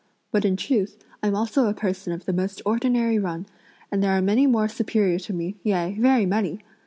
But, in truth, I'm also a person of the most ordinary run, and there are many more superior to me, yea very many!